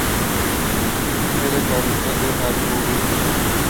Sede: Parroquia de la Purísima.